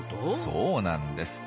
そうなんです。